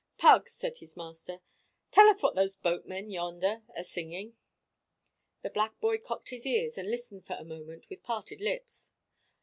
"Pug," said his master, "tell us what those boatmen yonder are singing." The black boy cocked his ears and listened for a moment with parted lips.